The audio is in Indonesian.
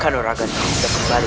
karena ragan kau sudah kembali